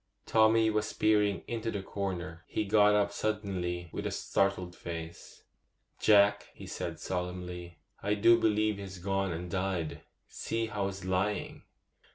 Tommy was peering into the corner. He got up suddenly with a startled face. 'Jack,' he said solemnly, 'I do believe he's gone and died! See how he's lying.